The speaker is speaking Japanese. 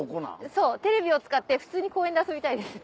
そうテレビを使って普通に公園で遊びたいです。